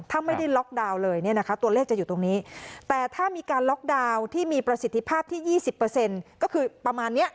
ถ้าไม่ได้ล็อกดาวน์เลยเนี่ยนะคะตัวเลขจะอยู่ตรงนี้แต่ถ้ามีการล็อกดาวน์ที่มีประสิทธิภาพที่๒๐ก็คือประมาณเนี้ย